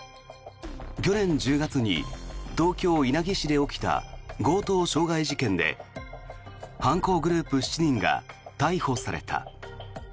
去年１０月に東京・稲城市で起きた強盗傷害事件で犯行グループ７人が逮捕された。